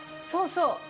そうそう。